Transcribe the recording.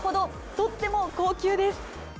とっても高級です。